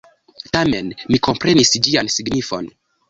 Tamen mi komprenis ĝian signifon.